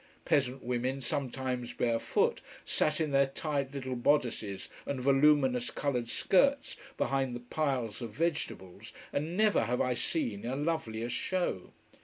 Peasant women, sometimes barefoot, sat in their tight little bodices and voluminous, coloured skirts behind the piles of vegetables, and never have I seen a lovelier show.